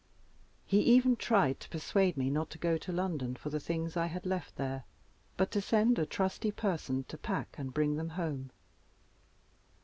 He even tried to persuade me not to go to London for the things I had left there, but to send a trusty person to pack and bring them home.